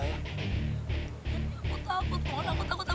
dan aku takut mohon aku takut